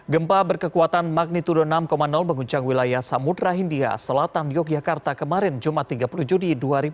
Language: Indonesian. gempa berkekuatan magnitudo enam menguncang wilayah samudera hindia selatan yogyakarta kemarin jumat tiga puluh juni dua ribu dua puluh